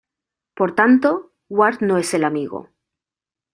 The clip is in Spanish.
Por tanto, Ward no es "el amigo".